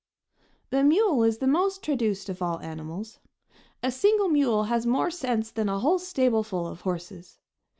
The mule is the most traduced of all animals. A single mule has more sense than a whole stableful of horses.